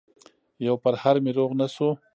يو پرهر مې روغ نه شو